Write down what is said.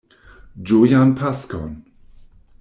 Ĝojan Paskon!